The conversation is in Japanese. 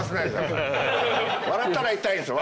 笑ったら痛いんすよ。